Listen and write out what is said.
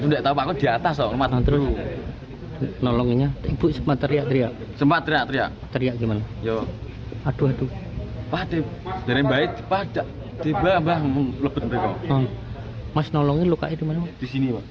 disini tapi sederah